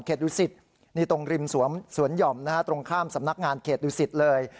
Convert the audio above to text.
เขตดุสิตตรงริมสวนหย่อมตรงข้ามสำนักงานเขตดุสิตเลย